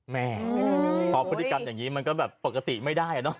แม่พอพฤติกรรมอย่างนี้มันก็แบบปกติไม่ได้อะเนาะ